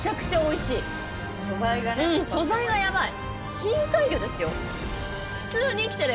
素材がヤバい。